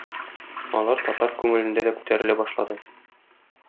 Алар татар күңелендә дә күтәрелә башлады.